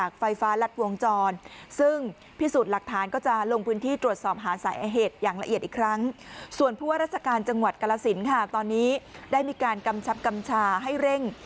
กรรศิลป์ค่ะตอนนี้ได้มีการกำชับกำชาให้เร่ง